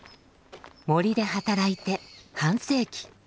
森で働いて半世紀。